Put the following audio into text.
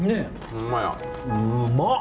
うまっ！